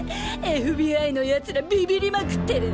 ＦＢＩの奴らビビりまくってる。